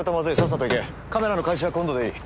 カメラの回収は今度でいい。